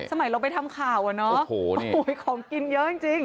สมัยเราไปทำข่าวอ่ะเนอะของกินเยอะจริง